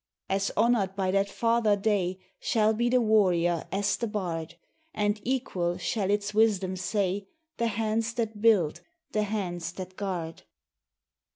As honored by that farther day Shall be the warrior as the bard; And equal, shall its wisdom say, The hands that build, the hands that guard.